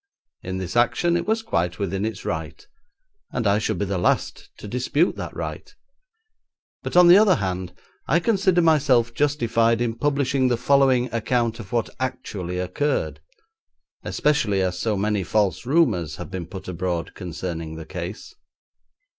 In this action it was quite within its right, and I should be the last to dispute that right; but, on the other hand, I consider myself justified in publishing the following account of what actually occurred, especially as so many false rumours have been put abroad concerning the case.